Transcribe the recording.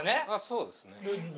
そうですね。